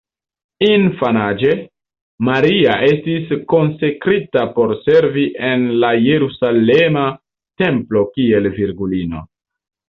Infanaĝe, Maria estis konsekrita por servi en la jerusalema templo kiel virgulino.